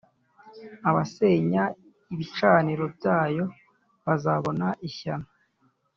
Abasenya ibicaniro byayo bazabona ishyano